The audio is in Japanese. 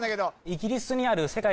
イギリスにある世界